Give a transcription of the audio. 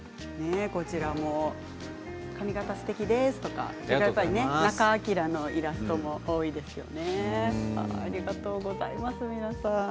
髪形すてきですとか仲章のイラストも多いですね。